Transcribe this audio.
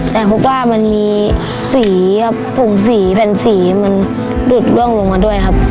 แต่ผมก็มันมีสีครับฝุ่งสีแผ่นสีมันดูดล่วงลงมาด้วยครับ